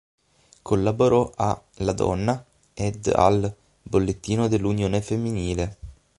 Collaborò a "La Donna" ed al "Bollettino dell'Unione Femminile".